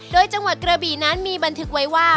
โดยจังหวัดกระบีนั้นมีบันทึกไว้ว่า